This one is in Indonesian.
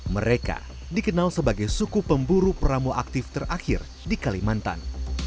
mereka dikenal sebagai suku pemburu pramu aktif terakhir di kalimantan